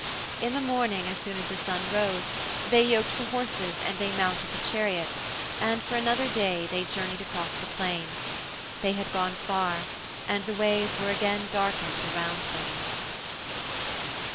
In the morning as soon as the sun rose they yoked the houses and they mounted the chariot, and for another day they journeyed across the plain. They had gone far and the ways were again darkened around them.